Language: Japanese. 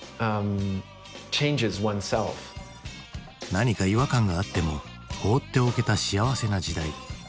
何か違和感があっても放っておけた幸せな時代。